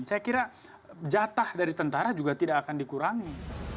saya kira jatah dari tentara juga tidak akan dikurangi